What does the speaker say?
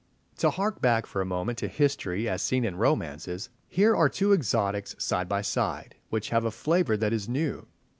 To hark back for a moment to history as seen in romances, here are two exotics side by side, which have a flavour that is new.